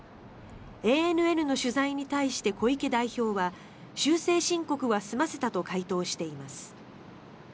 ＡＮＮの取材に対して小池代表は修正申告は済ませたと回答しています。